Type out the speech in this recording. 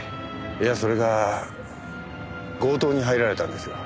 いやそれが強盗に入られたんですよ。